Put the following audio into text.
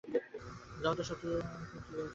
জগতে যত শক্তি আছে, তিনিই তার সমষ্টিরূপিণী।